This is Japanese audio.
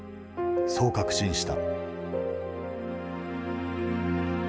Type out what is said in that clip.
そう確信した。